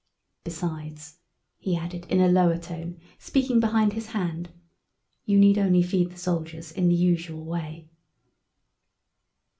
Besides," he added in a lower tone, speaking behind his hand, "you need only feed the soldiers in the usual way."